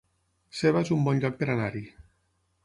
Seva es un bon lloc per anar-hi